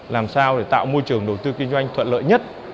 làm sao để tạo môi trường đầu tư kinh doanh thuận lợi nhất